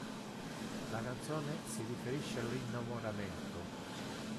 La canzone si riferisce all'innamoramento.